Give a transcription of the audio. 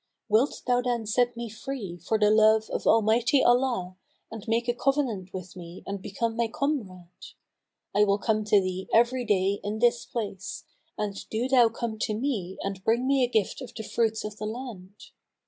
Wilt thou then set me free for the love[FN#243] of Almighty Allah and make a covenant with me and become my comrade? I will come to thee every day in this place, and do thou come to me and bring me a gift of the fruits of the land.